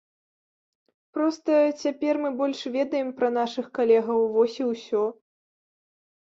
Проста цяпер мы больш ведаем пра нашых калегаў, вось і усё.